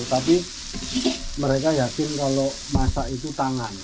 tapi mereka yakin kalau masak itu tangan